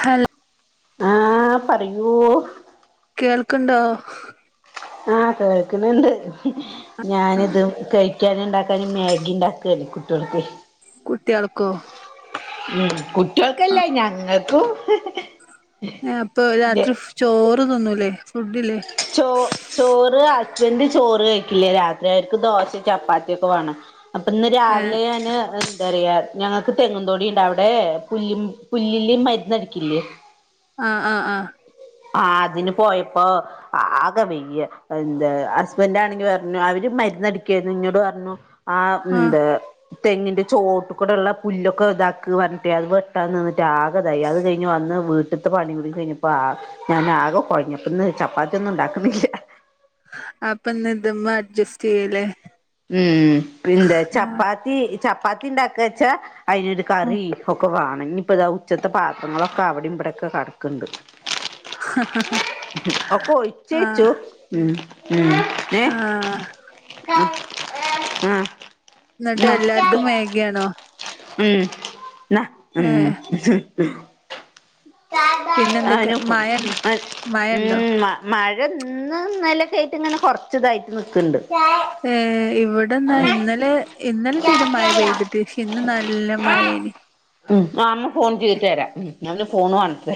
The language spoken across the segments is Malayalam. ഹലോ ആഹ് പറയൂ കേൾക്കണ്ടോ ആഹ് കേൾക്കുന്നുണ്ട് ആ ഞാനിത് കഴ ഴിക്കാന ഉണ്ടാക്കാന് മാഗി ഉണ്ടാക്കണേ കുട്ടികൾക്ക് കുട്ടികൾക്കോ ഉം കുട്ടികൾക്കല്ല ഞങ്ങൾക്കും അപ്പൊ രാത്രി ചോറ് നിന്നൂലേ ഫുഡില്ലേ ചോ ചോറ് അസ്ബൻ്റ് ചോറ് കഴിക്കില്ലേ രാത്രികർക്ക് ദോശ ചപ്പാത്തിയ ഒക്കെ വേണം അപ്പൊ ഇന്ന് ഏ രാവിലെ ഞാന് ചെറിയ ഞങ്ങക്ക് തെങ്ങും ന്താടിയ ഉണ്ട് അവിടെ പുല്ല പുല്ലില് മരുന്ന്ടിക്കില്ലേ ആഹ് ആഹ് ആഹ് അതിന് പോയപ്പോ ആകെ വയ്യ എന്താ ഹസ്ബൻഡ ആണെങ്കി പറഞ്ഞു അവര് മരുന്ന്ടിക്കായിരുന്നു ഇന്നോട് പറഞ്ഞു ആ ആന്ത് തെങ്ങിന്റെ ചോട്ടിൽ കൂടെയള്ള പുല്ലൊക്കെ ഇതാക്ക പറഞ്ഞിട്ടേ അത് വെട്ടാ നിന്നിട്ട് ആ ആതായി അത് കഴിഞ്ഞ് വന്ന് വീട്ടിലത്തെ പണികൂടെ കഴിഞ്ഞപ്പോ ഞാൻ ആകെ കൊഴിഞ്ഞ് ന്ന് ചപ്പാത്തിയൊന്നും ഉണ്ടാക്കുന്നില്ല അപ്പൊ ഇന്ന്ത്മ്മ അഡ്ജസ്റ്റ് ചെയ്യല്ലേ ഉം പിന്താ ആ ചപ്പാത്തി ചപ്പാത്തി ഉണ്ടാക്കച്ചാ അതിനൊരു ഉം, കറി ഒക്കെ വേണം ഇനിപ്പോ ഇത ഉച്ചത്തെ പാത്രങ്ങളൊക്കെ അവിടെ ഇവിടെയൊക്കെ കടക്ക്ന്ന് ണ്ട് ഒക്കെ ആ ഒയിച്ചേച്ചു ഉം ഉം ഏ ആ ആഹ് എന്നിട്ട് എല്ലാർക്കും മേഗിയാണോ ഇന്ന ഏ ഇത് ഉം ഉം പിന്നെന്തൊക്കെ മഴണ്ടോ മഴണ്ടോ [unintelligible] മഴ ഇന്ന് ഇന്നലക്കായിട്ട് ഇങ്ങനെ കൊറച്ചതായിട്ട് നിക്ക്ണ്ട്. ഏ ഇവിടെന്നാ ഇന്നലെ ഇന്നലെ തീരെം മഴ പെയ്തിട്ട് ഇന്ന് നല്ല മഴേനി മ് അമ്മ ഫോൺ ചെയ്ത്ട്ട് തരാം അവന് ഫോണ് വാണത്ര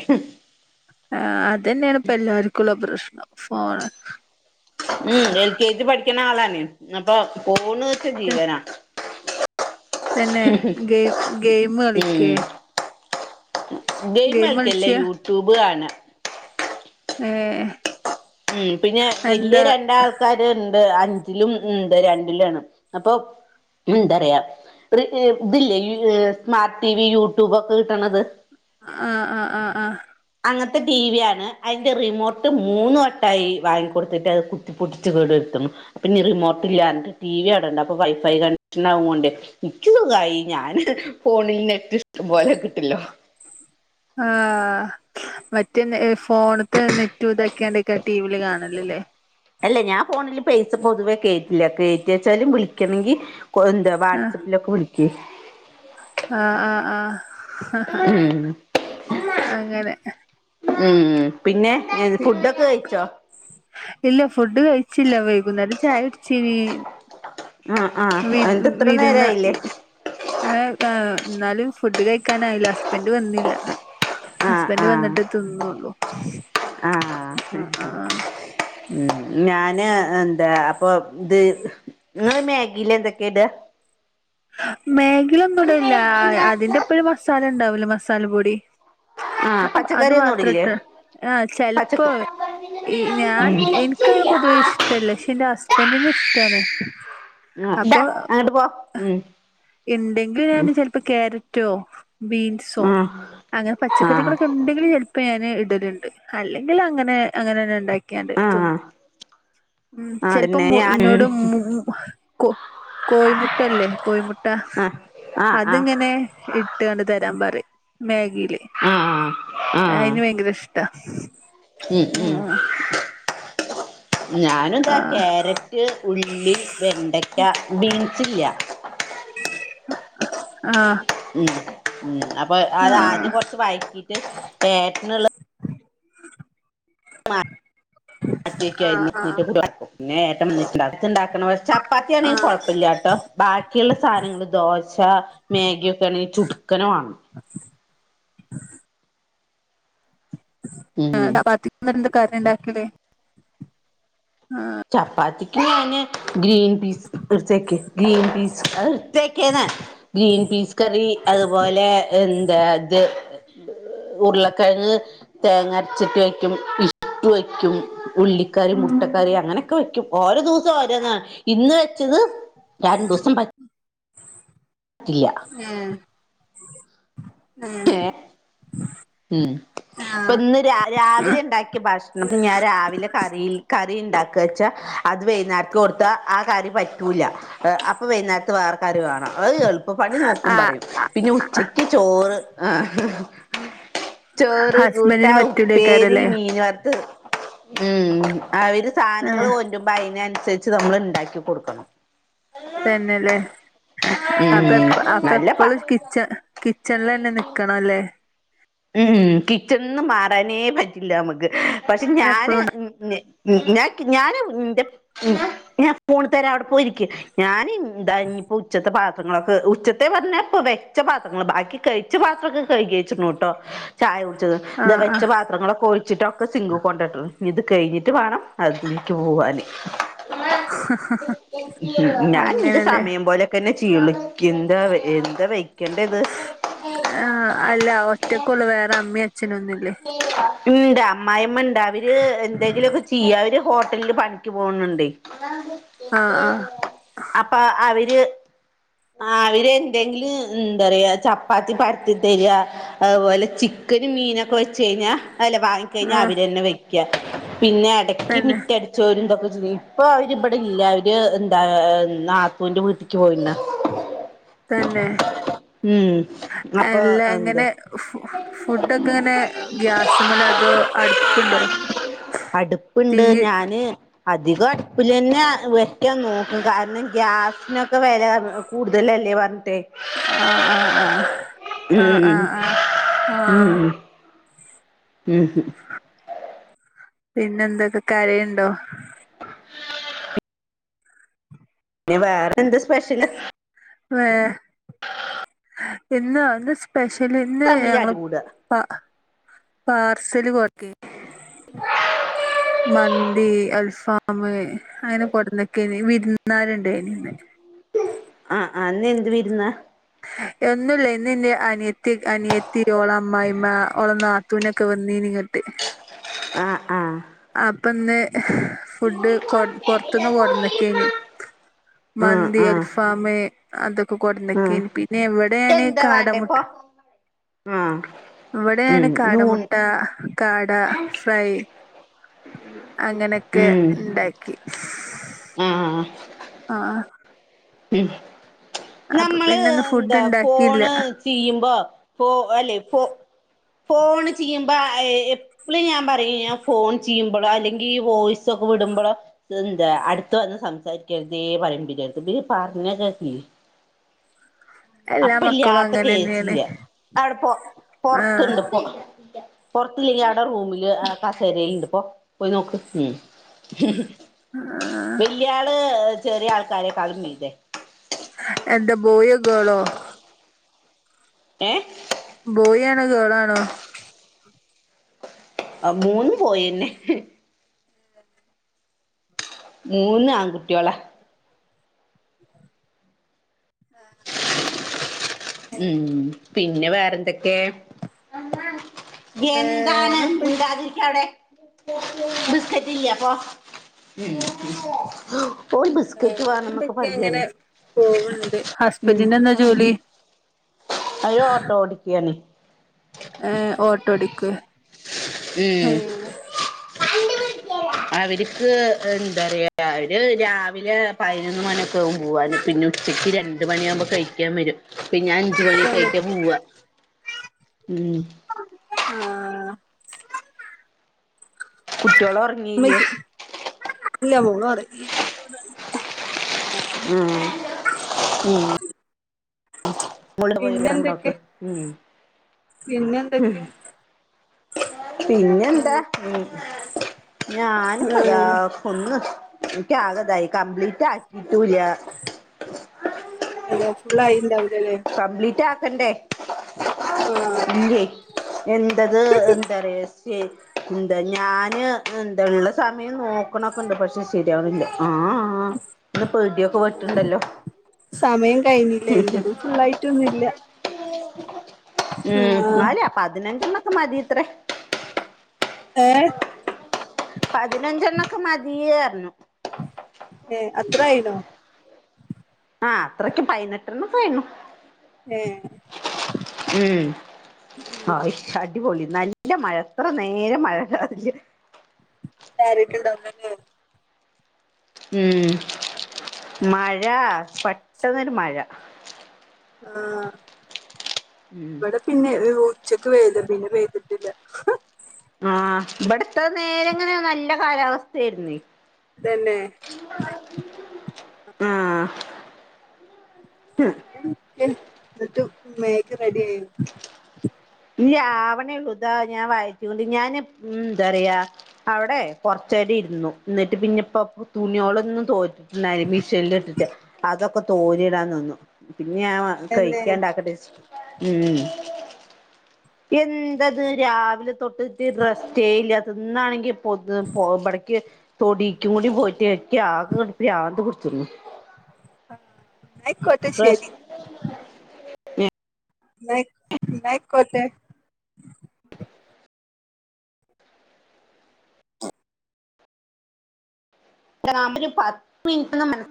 ആ അത് തന്നെയാണ് ഇപ്പല്ലാർക്കുള്ള പ്രശ്നം ഫോണ് ഉം എൽ കെ ജി പഠിക്ക്ണ ആളാണ് അപ്പൊ പോണ് വച്ച ത- ജീവന തന്നെ ഗെ ഗെയിം ഉം കളിക്ക ഗെയിം കളിച്ച കളിക്കെല്ലയൂട്യൂബ് കാണ ഏ ഉം പിന്നെ വല്യ രണ്ടാ ക്കാര്ണ്ട് അഞ്ചിലും ഉണ്ട് രണ്ടിലാണ് അപ്പൊ എന്തറയാ ഇതില്ലേ ഇ സ്മാർട്ട് ടിവി യൂട്യൂബ് ഒക്കെ കിട്ടണത് ആ ആ ആ ആ അങ്ങൻത്തെ ടി വി ആണ് അയ്ന്റെ റിമോട്ട് മൂന്ന് വ ട്ടായി വാങ്ങിക്കൊടുത്തിട്ട് അത് കുത്തിപ്പൊട്ടിച്ച് കേടര്ത്തും അപ്പൊനി റിമോട്ടില്ല ന്നട്ട് ടി വി അവ്ടണ്ട്‌ അപ്പൊ വൈഫൈ കണക്ഷൻ ആവോണ്ടേ ഇക്ക് തോന്നും അയ് ഞാന് ഫോണിൽ നെറ്റ് ഇഷ്ടം പോലെ കിട്ടല്ലോ ആഹ് മറ്റേ ഫോണ്ത്തെ നെറ്റ് ഇതാക്കിയാണ്ടേക്കാരം ടി വിൽ കാണല്ല്ലേ? അല്ല ഞാൻ ഫോണില് പെയ്സ പൊതുവേ കേറ്റില്ല കേറ്റിവെച്ചാലും വിളിക്കണെങ്കി എന്താ ആഹ് വാട്സപ്പിലൊക്കെ വിളിക്കു ആഹ് ആഹ് ആഹ് ഉം അങ്ങനെ ഉം പിന്നെ ഫുഡൊക്കെ കഴിച്ചോ? ഇല്ല ഫുഡ് കഴിച്ചില്ല വൈകുന്നേരം ചായുട്ച്ചീനീ ആ ആഹ് അതെന്താത്ര നേരായില്ലേ ഏ എന്നാലും ഫുഡ് കഴിക്കാനായില്ല ഹസ്ബന്റ് വന്നില്ല. ആഹ് ഹസ്ബന്റ് ആഹ് വന്നിട്ടെ തിന്നൊള്ളു. ആഹ് ഉം ഞാന് എന്താ അപ്പൊ ഇത് നിങ്ങള് മാഗിയിലെന്തൊക്കേടാ? മേഗീലൊന്നുടലില്ല അതിന്റൊപ്പൊരു മസാല ണ്ടാവൂലേ മസാല പൊടി. ആഹ് അത് അത് പച്ചക്കറിയൊന്നും ഇടില്ലേ മാത്രട്ട് ആ പച്ചക്ക ചെലപ്പോ ഞാൻ ഉം എനിക്കങ്ങനെ പൊതുവേ ഇഷ്ടല്ല ക്ഷെ ന്റെ ഹസ്ബന്റിനിഷ്ടാണ്. ആ ടാ അങ്ങട്ട് പോ ഉം ഇണ്ടെങ്കിൽ ഞാൻ ഉം ചെലപ്പോ ക്യാരറ്റോ, ബീൻസ് സോ ആഹ് അങ്ങനെ ആഹ് പച്ചക്കറികളൊക്കെണ്ടങ്കില് ചെ ഇപ്പൊ ഞാന് ഇടല്ണ്ട് അല്ലെങ്കിൽ അങ്ങനെ അങ്ങനെന്നെ ണ്ടാക്കിയാണ്ട് ആഹ് തിന്നും. ആഹ് ചെൽപ്പോ പിന്നെ മു ഞാൻ ന്നോട് മു കോ കോഴിമു മുട്ടല്ലേ കോഴിമുട്ട ആഹ് ആഹ് ആഹ് അതിങ്ങനെ ഇട്ടുകണ്ട് തരാൻ പറയും മാഗീല് ആഹ് ആഹ് അയ്ന് ഭയങ്കര ഇഷ്ടാ. ഉം ആ ഉം ഞാനെന്താ ആ ക്യാരറ്റ്, ഉള്ളി, വെണ്ടയ്ക്ക, ബീൻസ് ഇല്ല ആഹ് ഉം അപ്പൊ അത് ആഹ് ആദ്യം കൊറച്ച് വയറ്റീട്ട് കേരറ്റ്നുള്ള മാറ്റി ആഹ് വക്കുവാരുന്നു ആഹ് പിന്നെ ഏട്ടൻ വന്നിട്ട [unintelligible] ചപ്പാത്തിയാണെങ്കിൽ ആഹ് കുഴപ്പല്ലാട്ടോ ബാക്കിയുള്ള സാധനങ്ങള് ദോശ മേഗിയൊക്കെ ആണെങ്കി ചുട്ക്കനെ വാണം. ഉം ആ [unintelligible] കറിണ്ടാക്കല് ആഹ് ചപ്പാത്തിക്ക് ഞാന് ഗ്രീൻ പീസ് ട്ത്തെക്ക് ഗ്രീൻ പീസ് അത്ട്ത്തെക്ക്ന്ന് ഗ്രീൻ പീസ് കറി അതുപോലെ എന്താ ത് ഉരുളക്കിഴങ്ങ് തേങ്ങ അരച്ചിട്ട് വയ്ക്കും ഇഷ്ട്ടു വയ്ക്കും ഉള്ളിക്കറി മുട്ടക്കറി അങ്ങനെ ക്കെ വെയ്ക്കും ഓരോ ദിവസം ഓരോന്നാണ് ഇന്ന് വെച്ചത് രണ്ടൂസം പ ഇല്ല. ഏഹ് ഏഹ്. ഏ ഉം പ്പ ആഹ് ന്ന് രാവിലെ ഇണ്ടാക്കിയ ഭക്ഷണം ഞാൻ രാവിലെ കറീൽ കറി ഇണ്ടാക്ക വെച്ച അത് വൈന്നേരക്ക് കൊടുത്ത ആ കറി പറ്റൂല. അപ്പൊ വൈന്നേരത്ത് വേറെ കറി വേണം അത് എളുപ്പ പണി നോക്കും പറയും ആഹ് പിന്നെ ഉച്ച ത്തിരി ചോറ് ആഹ് ഹ ഹ. ചോറ് കൂട്ടാ ഹസ്ബൻഡിന് ഉപ്പേരി പറ്റൂലേക്കാരല്ലേ മീൻ വറത്തത് മ്മ് അവര് സാനങ്ങൾ ഏഹ് കൊണ്ടുമ്പോ അയിനനുസരിച്ച് നമ്മള് ഉണ്ടാക്കി കൊടുക്കണം. തന്നെല്ലേ ഉം അപ്പ എപ്പ അപ്പ നല്ല പ എപ്പോളും കിച്ച കിച്ചണിലന്നെ നിൽക്കണം ല്ലേ. ഉം കിച്ചണിന്ന് മാറാനേ പറ്റില്ല നമ്മക്ക് പക്ഷെ ഞാന് എപ്പളും ഞ് കി ഞാന് ഇന്റെ ഞാൻ ഫോണ്‌ തരാ ആടെ പോയിരിക്ക് ഞാന് ന്താ ഇനിയിപ്പോ ഉച്ചത്തെ പാത് ത്രങ്ങളിത്ത് ഉച്ചത്തെ പറഞ്ഞ ഇപ്പോ വെച്ച പാത്രങ്ങള് ബാക്കി കയിച്ച പാത്രവോക്കെ കഴികി വെച്ചിക്കിണ് ‌ട്ടോ. ചായ കുടിച്ചത് ഇ ആഹ് വെച്ച ആഹ് പാത്രങ്ങളൊക്കെ ഒഴി ച്ചിട്ടൊക്കെ സിങ്കി കൊണ്ടടും ഇത് കയിഞ്ഞിട്ട് വേണം അതിലേക്ക് പോവാന്. ഞാൻ ഇന്റെ അങ്ങനെല്ലേ സമയം പോലെ ക്കന്നെ ചീളിക്കെന്താ എന്താ വെക്കേണ്ട ഇത്. ആഹ് അല്ല ഒറ്റക്കുള്ളു വേറെ അമ്മയും അച്ഛനൊന്നും ഇല്ലേ ഇണ്ട് അമ്മായിമ്മണ്ട് അവര് എന്തെങ്കിലുമൊക്കെ ചെയ്യാ അവര് ഹോട്ടലില് പണിക്ക് പോണുണ്ടേ. ആഹ് ആഹ് അപ്പ അവര് ആഹ് അവര് എന്തെങ്കില് എന്ത് പറയാ ചപ്പാത്തി പരത്തി തെര അതുപോലെ ചിക്കനും മീനൊ ക്ക വെച്ചഴ്ഞ്ഞാ അല്ല വാങ്ങി കഴിഞ്ഞാ ആഹ് അവര് തന്നെ വെക്ക പിന്നെ ഇടയ്ക്ക് തന്നെ മിറ്റടു ചോരിണ്ടാക്കിച്ചാലി ഇപ്പൊ അവര് ഇവിടില്ല അവര് എന്താ നാത്തൂന്റെ വീട്ടിക്ക് പോയി തന്നെ ഉം അപ്പൊ എല്ലാ എന്ത് ഇങ്ങനെ ഫുഡൊക്കെ എങ്ങനെ ഗ്യാസിന്മലോ അതോ അടുപ്പുണ്ടോ? തീ അടുപ്പിണ്ട് ഞാന് അധികം അടുപ്പിലന്നെ വെക്കാൻ നോക്കും കാരണം ഗ്യാസിനൊക്കെ വെല കാരണം. കൂടുതലല്ലേ പറഞ്ഞിട്ടെ. ആഹ് ആഹ് ആഹ് ഉം ആഹ് ആഹ് ആഹ് ഉം ആഹ് ഉം ഹും. പിന്നെ എന്തൊണ്ട് കരയുണ്ടോ? [inaudible] ന്നെ വേറെന്ത് സ്പെഷ്യല്? വേ ഇന്നോ ഇന്ന് സ്പെഷ്യല് ഇന്ന് തമ്മിൽ ഞങ്ങള് അടികൂടാ പ പാർസല് കൊറക്ക് മന്തി അൽഫാം മ് അങ്ങനെ കൊണ്ടന്നുക്കീന് വിരുന്നാരുണ്ടായിനിന്ന്‌. ആഹ് ആഹ് ഇന്ന് എന്ത് വിരുന്ന? എന്നുല്ല ഇന്ന് എന്റെ അനിയത്തി അനിയത്തിരെ ഓള അമ്മായമ്മ ഓള നാത്തൂന് ത്തൂനോക്കെ വന്നീനിങ്ങട്ട്. ആഹ് ആഹ്. അപ്പൊ ഇന്ന് ഫുഡ് കൊ പൊറത്തുന്ന് കൊടുന്നെക്കേന്. ആഹ് മന്തി ആഹ് അൽഫാമ് അതൊക്കെ ആഹ് കൊടുന്നെക്കേണ് പി ന ഇവിടെയാന് എന്താ കാടാമുട്ട വേണ്ടേപ്പൊ ആഹ് ഇവിടെയാണ് ഉം കാട യൂൺ മുട്ട കാട ഫ്രൈ അങ്ങനെയൊക്കെ ഉം ഇണ്ടാക്കി. ആഹ് ആ ആ ആഹ് ആ [unintelligible] അപ്പൊ നമ്മള് പിന്നെന്ന് ന്താ ഫുഡ് ഇണ്ടാക്കിയില്ല ഫോണ് ചെയ്യുമ്പോ ഫോ അല്ലെ ഫോ ഫോൺ ചെയ്യുമ്പോ അയിയെ ഇപ്പള് ഞാൻ പറയും ഫോൺ ചെയ്യുമ്പോളോ അല്ലെങ്കിൽ ഈ വോയിസൊക്കെ വിടുമ്പോളോ- എന്താ അടുത്ത വന്ന് സംസാരിക്കരുതേ പറയണ്ടേ ചേർത് ഇത് നീ പറഞ്ഞോ ജസി എല്ലാ അപ്പ മക്കളും ഇല്ല്യാത്ത അങ്ങനെന്നെയാണ് കേസില്ല അവ്ടെ പൊ ആഹ് പൊറത്ത്ണ്ട്. പൊറത്തില്ലെങ്കി അവ്ടെ റൂമില് കസെരെല്ണ്ട് പൊ പോയി നോക്ക് ഉം ആഹ് വല്യാള് ചെറിയ ആൾക്കാരെക്കാളും മീതെ എന്താ ബോയൊ ഗെളൊ? എഹ് ബോയി ആണോ ഗേളാണോ? ആ മൂന്നും ബോയിന്നെ. മൂന്ന് ആൺകുട്ട്യോളാ. [unintelligible] ഉം പിന്നെ വേറെന്തൊക്കെ? എന്താണ് വേറെന്ത് മിണ്ടാതിരിക്കവ്ടെ.. ബിസ്ക്കറ്റില്ല്യാ പോ വേണംന്നൊക്കെ വേറെന്തൊക്കയാ പറയാണ് ഇങ്ങനെ പോവ്ണ്ട് ഉം ഹസ്ബൻഡിനെന്താ? ജോലി? അയ്യോ ഓട്ടോ ഓടിക്കയാണി. ഏഹ് ഓട്ടോഓടിക്ക്യേ. ഉം [unintelligible] ഉം അര്ക്ക് എന്താറയാ അവര് രാവിലെ പതിനൊന്ന് മണി പോവാന് പിന്നെ ഉച്ചക്ക് രണ്ടമണിയാകുമ്പോ കഴിക്കാൻ വരും പിന്നെ അഞ്ച മണിയൊക്കെ കയിഞ്ഞിട്ടെ പോവാ. [unintelligible] ഉം ആഹ്.. കുട്ടിയോള് ഒർ [unintelligible] ഇല്ല മോള് ഒറങ്ങി- ഉം ഉം. മോളില് പോയി ണ്ടോനോക്ക് ഉം പിന്നെ എന്ത്ക്കെ? പിന്നെ എന്താ ഉം ഞാനിപ്പദാ ആഹ് ഒന്ന് എനിക്ക്‌ ആകേ തായി കംപ്ലീറ്റ് ആക്കിട്ടുല്ല. അല്ല ഫുള്ളായിണ്ടാവില്ലലെ കംപ്ലീറ്റാക്കണ്ടേ? ആഹ് ലിയെ എന്റത് എന്താ റ്യോ [unintelligible] എന്താ ഞാന് എന്താ ള്ള സമയം നോക്കണൊക്കെ ണ്ട് പഷേ ശെരിയാവ്ണില്ല ആഹ്. ആഹ് ഇന്ന് പ്ടിയൊക്കെ വെട്ട്ണ്ടല്ലോ? സമയം കഴ്ഞ്ഞില്ലേ എന്റെത് ഫുള്ളായിറ്റൊന്നുല്ല. ഉം ആഹ് ന്നാല പതിനഞ്ചെണ്ണൊക്കെ മതിത്രേ. ഏഹ് പതിനഞ്ചെണ്ണൊക്കെ മദീഅർന്നു. ഏ അത്രയിനോ ആഹ് അത്രക്ക് പയ്നെട്ടണോക്കെ ആയിണ്ണു. ഏ ഉം ഉം ആയിശ് അടിപൊളി നല്ല മഴ ഇത്രനേരം മഴയില്ലാതില്ല കേറീട്ടുണ്ടാവുല്ലല്ലേ ഉം മഴ പെട്ടെന്നൊരു മഴ ആഹ് ഉം ഇബ്ടെ പിന്നെ ഉച്ചക്ക് പെയ്താ പിന്നെ പെയ്തിട്ടില്ല. ആഹ് ഇവ്ടെത്തെ നേരെങ്ങനെ നല്ല കാലാവസ്ഥയാരുന്നെ. തെന്നെ.. ആഹ് പിന്നെ എന്തെക്കെ എന്നിട്ട് മേഗി റെഡിയായോ ഇല്യാ ആവണേള്ളു താ ഞാ വായറ്റികൊണ്ട് ഞാന് ഉം എന്തറയാ അവിടെ കൊറച്ചേരം ഇര്ന്നു എന്നിട്ട് പിന്നെപ്പോ തുണോളൊന്നും തോര ഇന്നലെ മിഷേൻല് ഇട്ടിട്ട് അതൊക്കെ തോരിയിടാൻ നിന്നു പിന്നെ ഞാൻ മറ തന്നെ കഴിക്കണ്ടക്കട്ടേച്ചിട്ട് ഉം ഉം എന്തത് രാവിലെ തൊട്ട്ട്ട് റെസ്റ്റേല്ലാത്തെ ഇന്നാണെങ്കി പൊത് പോ ഇബാടക്ക് തൊടീക്കും കൂടി പോയിട്ട് ഇക്ക്‌ ആകെ ആകെങ്ട്ട് പ്രാന്ത് പിടിച്ച്ക്കണ് ആഹ് ഇന്നായിക്കോട്ടെ ശെരി റെസ്റ്റ് ന്നയ് ഇന്നായിക്കോട്ടെ പ്രമ്പല് പത്ത് മിനിറ്റ് എല്ലാം മേണം